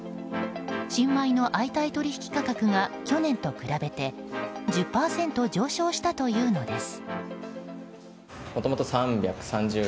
新米の相対取引価格が去年と比べて１０％上昇したというのです。